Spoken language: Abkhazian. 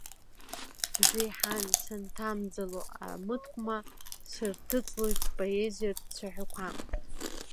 Бжеиҳан, санҭамӡало амыткәма, сырҭыҵлоит споезиатә цәаҳәақәа.